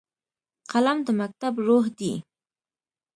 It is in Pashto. قلم د مکتب روح دی